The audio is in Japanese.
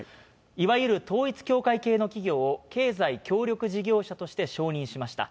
いわゆる統一教会系の企業を、経済協力事業者として承認しました。